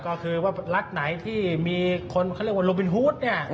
ก็คือว่ารัฐไหนที่มีคนเขาเรียกว่าโลบินฮูดเนี่ย